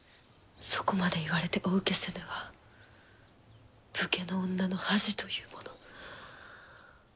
そこまで言われてお受けせぬは武家の女の恥というもの。